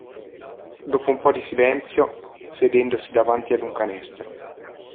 Dopo un po' di silenzio, sedendosi davanti ad un canestro.